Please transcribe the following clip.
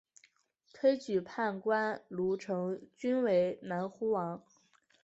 推举判官卢成均为南平王。